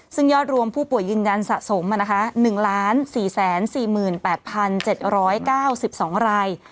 ซึ่งยอดรวมผู้ป่วยยืนยันสะสม๑๔๔๘๗๙๒ราย